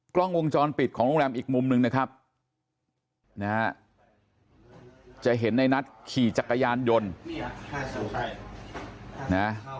กล้องวงจรปิดของโรงแรมอีกมุมหนึ่งนะครับนะฮะจะเห็นในนัทขี่จักรยานยนต์นะ